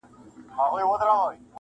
ماته مي شناختو د شهید پلټن کیسه کړې ده؛